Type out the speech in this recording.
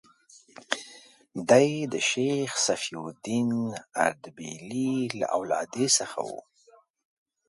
دی د شیخ صفي الدین اردبیلي له اولادې څخه و.